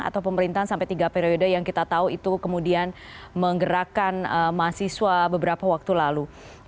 atau pemerintahan sampai tiga periode yang kita tahu itu kemudian menggerakkan mahasiswa beberapa waktu lalu